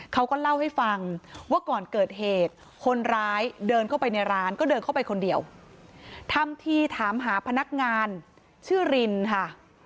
เขาก็เล่าให้ฟังว่าก่อนเกิดเหตุคนร้ายเดินเข้าไปในร้านก็เดินเข้าไปคนเดียวทำทีถามหาพนักงานชื่อรินค่ะ